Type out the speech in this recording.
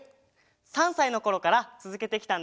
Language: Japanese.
３さいのころからつづけてきたんだ。